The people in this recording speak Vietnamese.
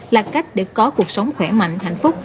là cách để có cuộc sống khỏe mạnh hạnh phúc